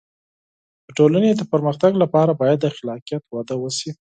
د ټولنې د پرمختګ لپاره باید د خلاقیت وده وشي.